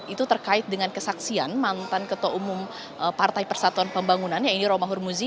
itu terkait dengan kesaksian mantan ketua umum partai persatuan pembangunan yaitu romahur muzi